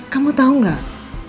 kamu tahu nggak